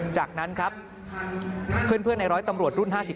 จากนั้นครับเพื่อนในร้อยตำรวจรุ่น๕๓